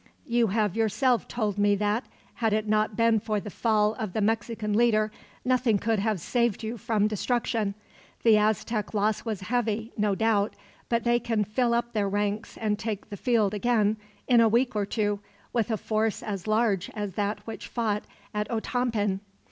"You have yourself told me that, had it not been for the fall of the Mexican leader, nothing could have saved you from destruction. The Aztec loss was heavy, no doubt; but they can fill up their ranks and take the field again, in a week or two, with a force as large as that which fought at Otompan.